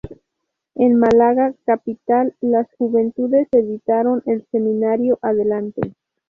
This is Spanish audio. En Málaga capital las juventudes editaron el semanario "Adelante".